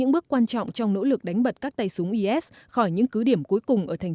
những bước quan trọng trong nỗ lực đánh bật các tay súng is khỏi những cứ điểm cuối cùng ở thành